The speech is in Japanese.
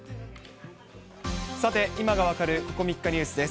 さて、今がわかるここ３日ニュースです。